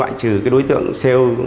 việc không loại trừ đối tượng sale